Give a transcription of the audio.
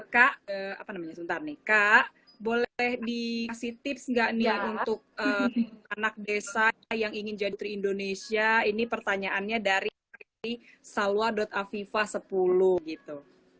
kak boleh dikasih tips nggak nih untuk anak desa yang ingin jadi putri indonesia ini pertanyaannya dari salwa aviva sepuluh gitu